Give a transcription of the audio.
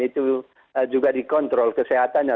itu juga dikontrol kesehatannya